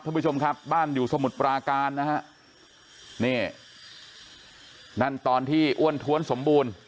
ทุกผู้ชมครับบ้านอยู่สมุดปราการนะฮะนี่นั่นตอนที่อ้วนท้วนสมบูรณ์